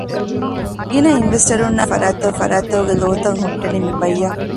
ގިނަ އިންވެސްޓަރުންނާއި އެހެނިހެން ފަރާތްތަކުގެ ލޯތައް ހުއްޓެނީ މިބަޔަށް